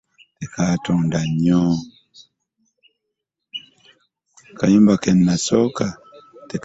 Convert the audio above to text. Akayimba ke nasooka tekaatunda nnyo.